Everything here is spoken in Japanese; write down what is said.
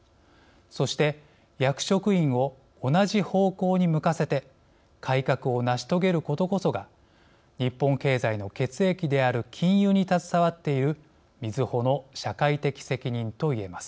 そして、役職員を同じ方向に向かせて改革を成し遂げることこそが日本経済の血液である金融に携わっているみずほの社会的責任といえます。